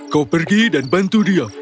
kau pergi dan bantu dia